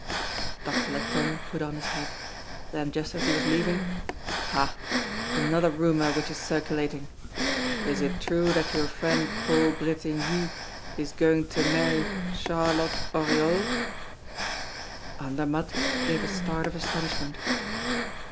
Doctor Latonne put on his hat; then just as he was leaving: "Ha! another rumor which is circulating! Is it true that your friend Paul Bretigny is going to marry Charlotte Oriol?" Andermatt gave a start of astonishment.